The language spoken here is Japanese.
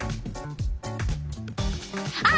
あ！